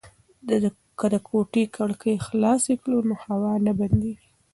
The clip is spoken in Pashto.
که د کوټې کړکۍ خلاصې کړو نو هوا نه بندیږي.